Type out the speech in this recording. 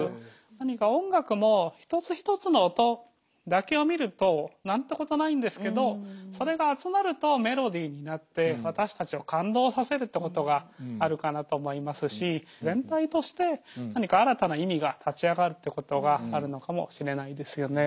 何か音楽も一つ一つの音だけを見ると何てことないんですけどそれが集まるとメロディーになって私たちを感動させるってことがあるかなと思いますしってことがあるのかもしれないですよね。